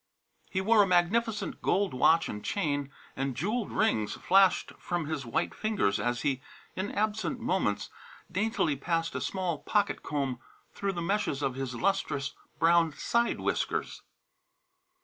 He wore a magnificent gold watch and chain, and jewelled rings flashed from his white fingers as he, in absent moments, daintily passed a small pocket comb through the meshes of his lustrous brown side whiskers.